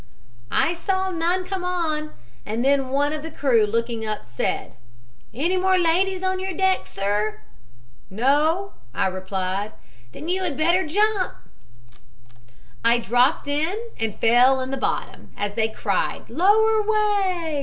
"I saw none come on, and then one of the crew, looking up, said: "'Any more ladies on your deck, sir?' "'No,' I replied. "'Then you had better jump.' "I dropped in, and fell in the bottom, as they cried 'lower away.'